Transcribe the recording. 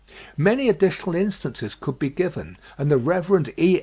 Many additional instances could be given; and the Rev. E.